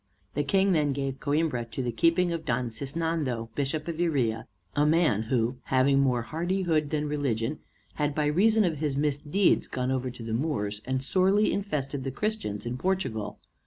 The King then gave Coimbra to the keeping of Don Sisnando, Bishop of Iria; a man who, having more hardihood than religion, had by reason of his misdeeds gone over to the Moors, and sorely infested the Christians in Portugal.